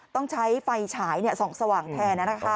ต้องใช้ไฟฉายส่องสว่างแทน